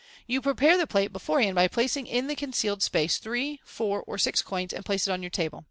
You pre pare the plate beforehand by placing in the concealed space three, four, Fig. 80. or six coins, and place it on your table.